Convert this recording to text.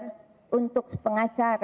tetapi narasumber untuk pengacara